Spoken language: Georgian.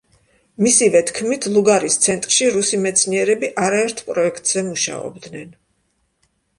მისივე თქმით, ლუგარის ცენტრში რუსი მეცნიერები არაერთ პროექტზე მუშაობდნენ.